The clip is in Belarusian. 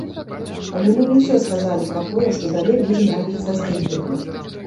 Але мы не ўсё сказалі пра тое, што далей будзем рабіць са здымкамі.